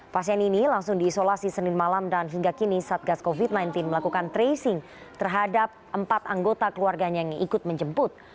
pasien ini langsung diisolasi senin malam dan hingga kini satgas covid sembilan belas melakukan tracing terhadap empat anggota keluarganya yang ikut menjemput